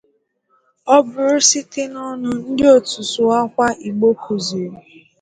ọ bụrụ site n'ọnụ ndị Otu Sụwakwa Igbo kuziiri.